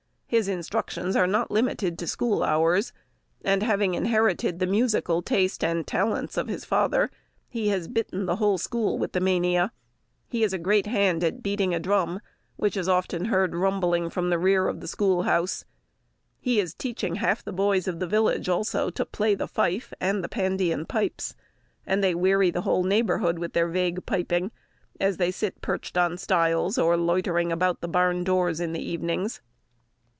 His instructions are not limited to school hours; and having inherited the musical taste and talents of his father, he has bitten the whole school with the mania. He is a great hand at beating a drum, which is often heard rumbling from the rear of the school house. He is teaching half the boys of the village, also, to play the fife, and the pandean pipes; and they weary the whole neighbourhood with their vague piping, as they sit perched on stiles, or loitering about the barn doors in the evenings.